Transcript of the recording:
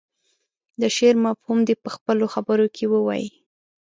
د شعر مفهوم دې په خپلو خبرو کې ووايي.